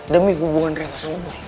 demi hubungan reva sama boy